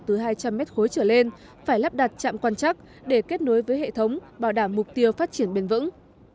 từ hai trăm linh m khối trở lên phải lắp đặt chạm quan chắc để kết nối với hệ thống bảo đảm mục tiêu phát triển bền vững